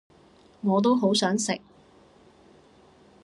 我都好想食